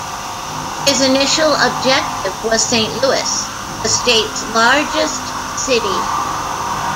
His initial objective was Saint Louis, the state's largest city.